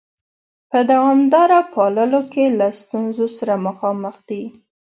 په دوامداره پاللو کې له ستونزو سره مخامخ دي؟